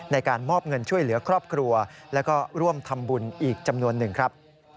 ในการมอบเงินช่วยเหลือครอบครัวแล้วก็ร่วมทำบุญอีกจำนวนหนึ่งครับ